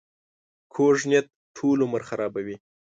کوږ نیت ټول عمر خرابوي